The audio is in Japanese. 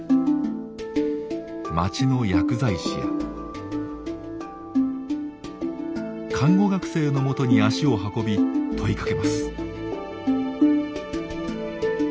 町の薬剤師や看護学生のもとに足を運び問いかけます。